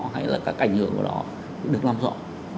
hay là các ảnh hưởng của nó được làm rõ